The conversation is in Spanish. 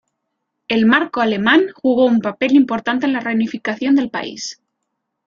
El marco alemán jugó un papel importante en la reunificación del país.